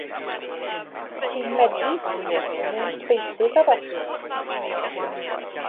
Ti'n medru 'i ffrio fo mewn sbeisys a ballu.